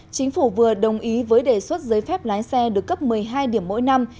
chính phủ vừa đồng ý với đề xuất giới phép lái xe được cấp một mươi hai điểm mỗi năm